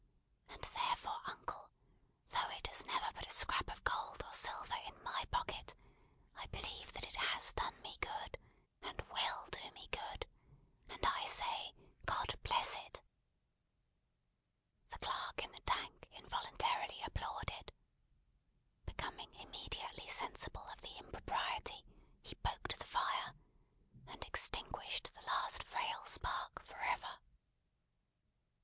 And therefore, uncle, though it has never put a scrap of gold or silver in my pocket, I believe that it has done me good, and will do me good; and I say, God bless it!" The clerk in the Tank involuntarily applauded. Becoming immediately sensible of the impropriety, he poked the fire, and extinguished the last frail spark for ever.